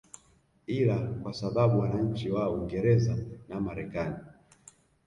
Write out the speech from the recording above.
ila kwa sababu wananchi wa Uingereza na Marekani